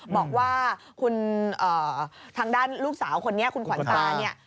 บอกว่าคุณทางด้านลูกสาวคนนี้คุณขวัญตาเนี่ย